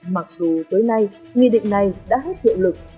mặc dù tới nay nguyên định này đã hết sức